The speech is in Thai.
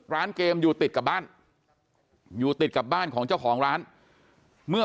ร้านเกมอยู่ติดกับบ้านอยู่ติดกับบ้านของเจ้าของร้านเมื่อ